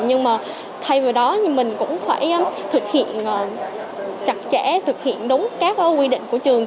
nhưng mà thay vào đó nhưng mình cũng phải thực hiện chặt chẽ thực hiện đúng các quy định của trường